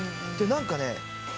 何かね